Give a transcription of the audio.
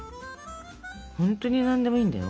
ほんとに何でもいいんだよ。